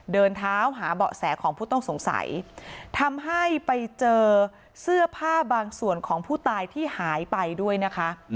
เดินเท้าหาเบาะแสของผู้ต้องสงสัยทำให้ไปเจอเสื้อผ้าบางส่วนของผู้ตายที่หายไปด้วยนะคะ